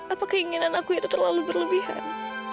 apa keinginan aku itu terlalu berlebihan